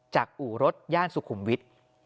อู่รถย่านสุขุมวิทย์